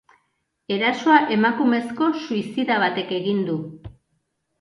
Erasoa emakumezko suizida batek egin du.